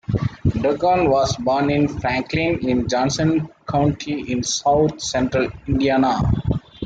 Duggan was born in Franklin in Johnson County in south central Indiana.